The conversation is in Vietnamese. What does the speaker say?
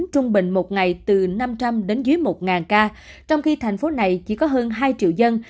trung bình một ngày từ năm trăm linh đến dưới một ca trong khi thành phố này chỉ có hơn hai triệu dân